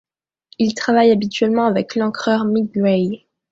Il travaille habituellement avec l'encreur Mick Gray.